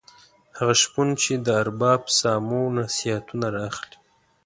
هغه شپون چې د ارباب سامو نصیحتونه را اخلي.